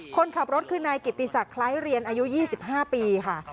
คนขับรถคือนายกิติศักดิ์คล้ายเรียนอายุ๒๕ปีค่ะ